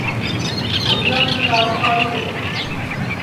ہوݪِیاپ میں دؔارُو پاڑی ہے